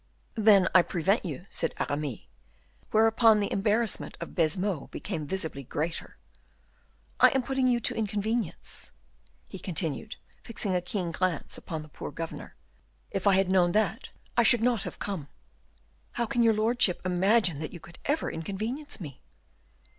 "Then I prevent you," said Aramis; whereupon the embarrassment of Baisemeaux became visibly greater. "I am putting you to inconvenience," he continued, fixing a keen glace upon the poor governor; "if I had known that, I should not have come." "How can your lordship imagine that you could ever inconvenience me?"